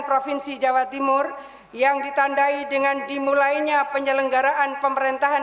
provinsi jawa timur yang ditandai dengan dimulainya penyelenggaraan pemerintahan